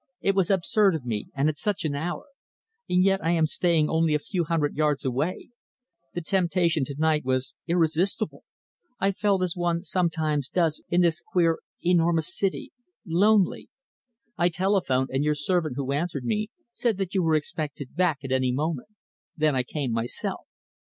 "It was absurd of me, and at such an hour! And yet I am staying only a few hundred yards away. The temptation to night was irresistible. I felt as one sometimes does in this queer, enormous city lonely. I telephoned, and your servant, who answered me, said that you were expected back at any moment. Then I came myself."